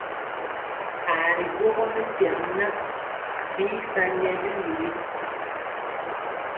Aa ri gwogɔ mɛkyɛri na bii sa nyɛ biluwi.